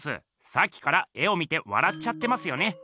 さっきから絵を見てわらっちゃってますよね。